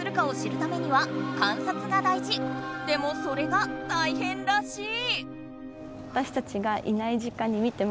でもそれが大変らしい！